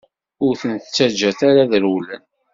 Ur ten-ttaǧǧat ara ad rewlen!